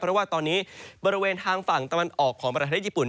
เพราะว่าตอนนี้บริเวณทางฝั่งตะวันออกของประเทศญี่ปุ่น